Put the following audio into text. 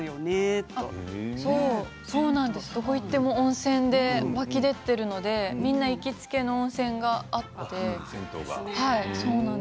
どこ行っても温泉で湧き出ているのでみんな行きつけの温泉があって。